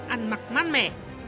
ăn mặc mát mẻ